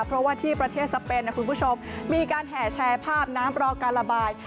เพราะว่าที่ประเทศสเปนนะคุณผู้ชมมีการแห่แชร์ภาพน้ำรอการระบาย